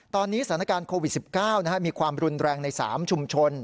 ตอนนี้สถานการณ์โควิด๑๙มีความรุนแรงใน๓ชุมชน